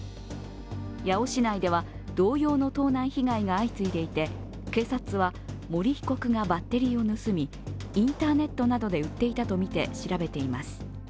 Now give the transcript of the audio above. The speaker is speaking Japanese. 八尾市内では同様の盗難被害が相次いでいて警察は森被告がバッテリーを盗みインターネットなどで売っていたとみて調べています。